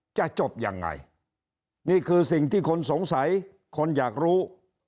จะจบยังไงนี่คือสิ่งที่คนสงสัยคนอยากรู้